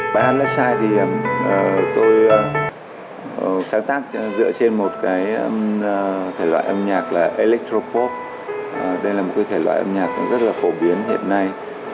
bài hát last side thì tôi sáng tác dựa trên một thể loại âm nhạc là electropop đây là một thể loại âm nhạc rất là phổ biến hiện nay